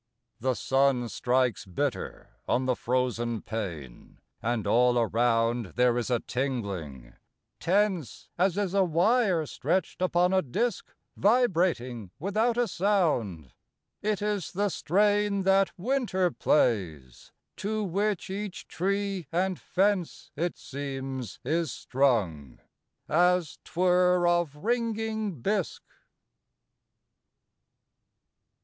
The sun strikes bitter on the frozen pane, And all around there is a tingling, tense As is a wire stretched upon a disk Vibrating without sound: It is the strain That Winter plays, to which each tree and fence, It seems, is strung, as 'twere of ringing bisque.